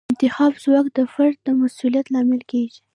د انتخاب ځواک د فرد د مسوولیت لامل کیږي.